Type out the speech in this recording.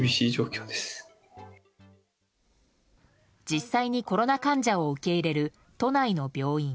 実際にコロナ患者を受け入れる都内の病院。